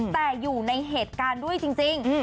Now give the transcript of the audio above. แต่อยู่ในเหตุการณ์ด้วยจริง